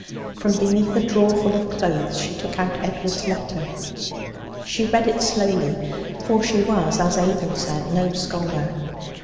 From beneath a drawerful of clothes she took out Edward's letter. She read it slowly, for she was, as Abel said, no scholar.